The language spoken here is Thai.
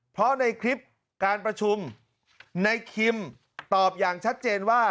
เพราะในคลิปการประชุมในคิมตอบอย่างชัดเจนว่า